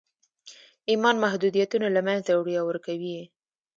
ایمان محدودیتونه له منځه وړي او ورکوي یې